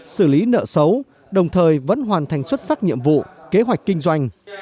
xử lý nợ xấu đồng thời vẫn hoàn thành xuất sắc nhiệm vụ kế hoạch kinh doanh